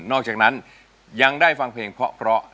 อกจากนั้นยังได้ฟังเพลงเพราะ